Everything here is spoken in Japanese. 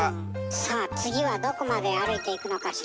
さあ次はどこまで歩いていくのかしら？